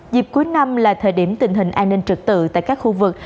dịp cuối năm là thời điểm tình hình an ninh trực tự tại các khu vực